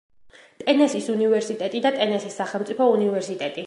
ტენესის უნივერსიტეტი და ტენესის სახელმწიფო უნივერსიტეტი.